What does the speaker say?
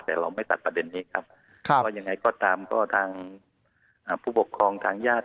แต่เราก็ไม่ตัดประเด็นนี้ครับตามทางผู้ปกครองทางญาติ